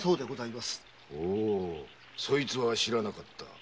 そいつは知らなかった。